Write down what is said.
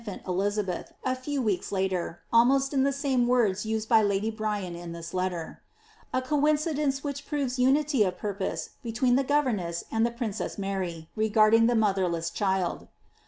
BLIIABBTH. 13 qC her skier the infioit Elizabeth, a few weeks later, almost in the same words used by lady Bryan in this letter.* A coincidence which proYes QDity of purpose between the governess and the princess Mary, regard ing the motherless child.